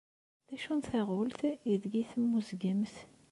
D acu n taɣult aydeg temmuzzgemt?